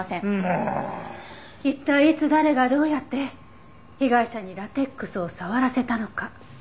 一体いつ誰がどうやって被害者にラテックスを触らせたのか？